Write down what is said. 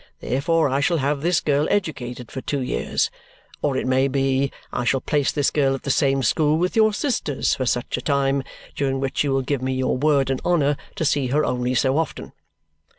Therefore I shall have this girl educated for two years,' or it may be, 'I shall place this girl at the same school with your sisters for such a time, during which you will give me your word and honour to see her only so often.